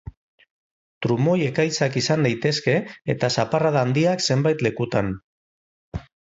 Trumoi-ekaitzak izan daitezke, eta zaparrada handiak, zenbait lekutan.